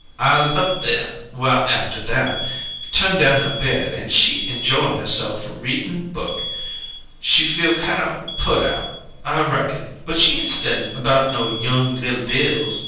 I 'uz up there, while after that, turn' down her bed; an' she injoyin' herse'f readin' book. She feel kine o' put out, I reckon, but she ain't stedyin' about no young li'l Dills.